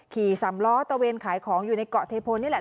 ขี่สำล้อตะเวนขายของอยู่ในเกาะเทพลนี่แหละ